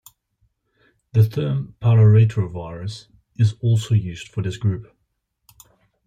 The term "pararetrovirus" is also used for this group.